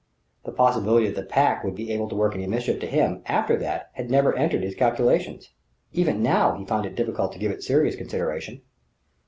The possibility that the Pack would be able to work any mischief to him, after that, had never entered his calculations. Even now he found it difficult to give it serious consideration.